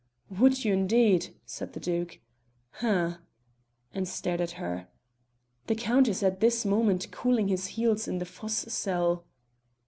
"Would you, indeed?" said the Duke. "H'm," and stared at her. "The Count is at this moment cooling his heels in the fosse cell."